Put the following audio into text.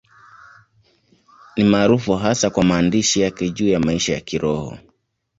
Ni maarufu hasa kwa maandishi yake juu ya maisha ya Kiroho.